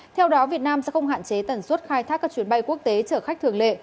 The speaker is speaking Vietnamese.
theo đó việt nam sẽ không hạn chế tần suất khai thác các chuyến bay quốc tế chở khách thường lệ